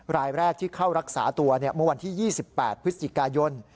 รายแรกที่เข้ารักษาตัวเมื่อวันที่๒๘พฤศจิกายน